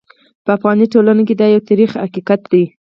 په افغاني ټولنه کې دا یو ترخ حقیقت دی.